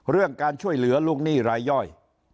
เรื่องการช่วยเหลือลูกหนี้รายย่อย